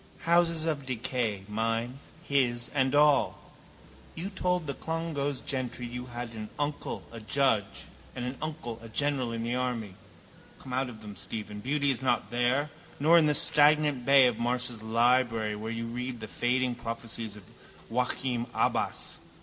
Houses of decay, mine, his and all. You told the Clongowes gentry you had an uncle a judge and an uncle a general in the army. Come out of them, Stephen. Beauty is not there. Nor in the stagnant bay of Marsh's library where you read the fading prophecies of Joachim Abbas.